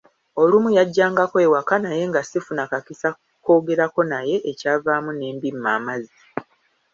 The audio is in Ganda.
Olumu yajjangako ewaka naye nga sifuna kakisa koogerako naye ekyavaamu ne mbimma amazzi.